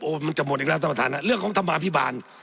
มันจะหมดอีกแล้วท่านประธานฮะเรื่องของธรรมาภิบาล